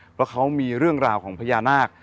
เพราะเขามีเรื่องราวของพญานาค